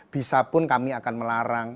bisapun kami akan melarang